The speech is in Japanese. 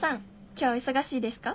今日忙しいですか？